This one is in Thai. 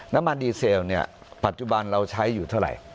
น้ำมันดีเซลเนี่ยปัจจุบันเราใช้อยู่เท่าไหร่